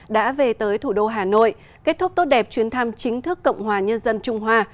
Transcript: đã về tới thủ đô hà nội kết thúc tốt đẹp chuyến thăm chính thức cộng hòa nhân dân trung hoa